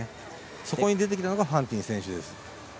そこに出てきたのがファンティン選手。